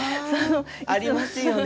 あありますよね